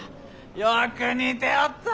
よく似ておった！